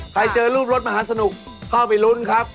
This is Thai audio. เจอรูปรถมหาสนุกเข้าไปลุ้นครับ